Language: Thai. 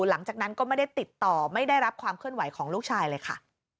หลังจากนั้นก็ไม่ได้ติดต่อไม่ได้รับความเคลื่อนไหวของลูกชายเลยค่ะ